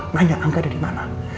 nanya angga ada dimana